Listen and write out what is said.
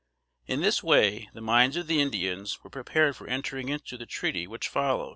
In this way, the minds of the Indians were prepared for entering into the treaty which followed.